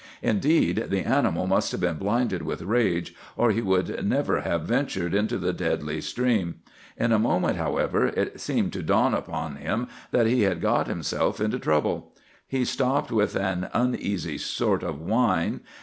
Indeed, the animal must have been blinded with rage, or he would never have ventured into the deadly stream. In a moment, however, it seemed to dawn upon him that he had got himself into trouble. He stopped with an uneasy sort of whine.